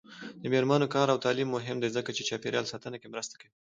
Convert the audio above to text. د میرمنو کار او تعلیم مهم دی ځکه چې چاپیریال ساتنه کې مرسته کوي.